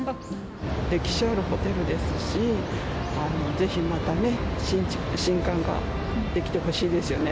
歴史あるホテルですし、ぜひまたね、新館が出来てほしいですよね。